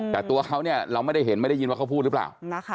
แต่ตัวเขาเนี่ยเราไม่ได้เห็นไม่ได้ยินว่าเขาพูดหรือเปล่า